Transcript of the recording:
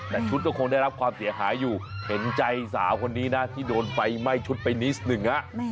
แต่ชุดก็คงได้รับความเสียหายอยู่เห็นใจสาวคนนี้นะที่โดนไฟไหม้ชุดไปนิดหนึ่ง